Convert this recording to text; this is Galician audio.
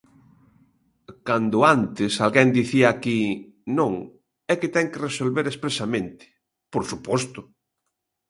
Cando antes alguén dicía aquí: non, é que ten que resolver expresamente, ¡por suposto!